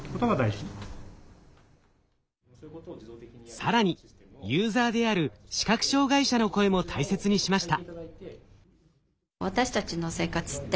更にユーザーである視覚障害者の声も大切にしました。